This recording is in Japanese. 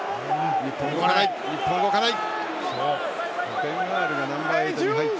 日本動かない。